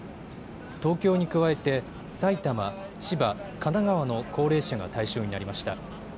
東京に加えて埼玉、千葉、神奈川の高齢者が対象になりました。